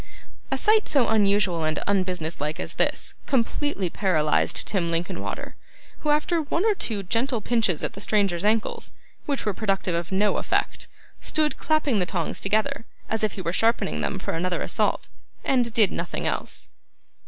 A sight so unusual and unbusiness like as this, completely paralysed Tim Linkinwater, who, after one or two gentle pinches at the stranger's ankles, which were productive of no effect, stood clapping the tongs together, as if he were sharpening them for another assault, and did nothing else.